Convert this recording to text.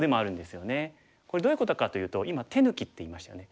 これどういうことかというと今手抜きって言いましたよね。